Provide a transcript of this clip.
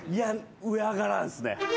上上がらんすね。